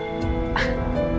ini udah berapa